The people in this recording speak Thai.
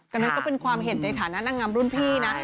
อันนั้นก็เป็นความเห็นในฐานะนางงามรุ่นพี่นะ